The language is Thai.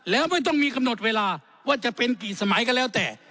แล้วไม่ต้องมีกำหนดเวลาว่าจะเป็นกี่สมัยก็แล้วแต่